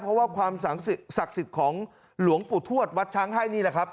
เพราะว่าความศักดิ์สิทธิ์ของหลวงปู่ทวดวัดช้างให้นี่แหละครับ